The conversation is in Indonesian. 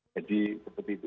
jadi seperti itu